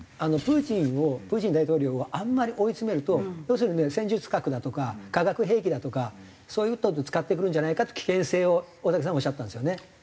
プーチンをプーチン大統領をあんまり追い詰めると要するにね戦術核だとか化学兵器だとかそういう使ってくるんじゃないかっていう危険性を大竹さんはおっしゃったんですよね？